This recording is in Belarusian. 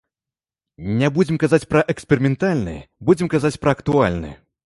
Не будзем казаць пра эксперыментальны, будзем казаць пра актуальны.